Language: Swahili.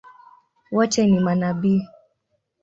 Wote ni manabii?